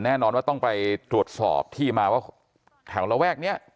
แน่นอนว่าต้องไปตรวจสอบที่มาว่าแถวระแวกนี้